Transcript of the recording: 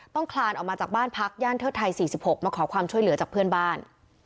คลานออกมาจากบ้านพักย่านเทิดไทย๔๖มาขอความช่วยเหลือจากเพื่อนบ้าน